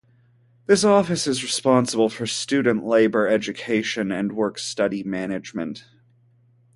This office is responsible for student labor education and work-study management.